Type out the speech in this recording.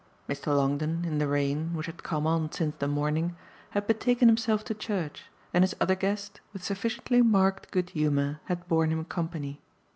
Mr. Longdon, in the rain, which had come on since the morning, had betaken himself to church, and his other guest, with sufficiently marked good humour, had borne him company.